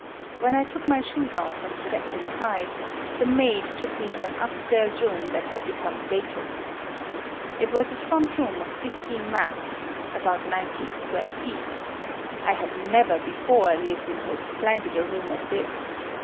When I took my shoes off and stepped inside, the maid took me to an upstairs room that had became vacant. It was a front room of 15 mats (about 90 square feet). I had never before lived in so splendid a room as this.